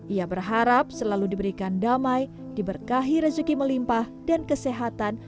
ia berharap selalu diberikan damai diberkahi rezeki melimpah dan kesehatan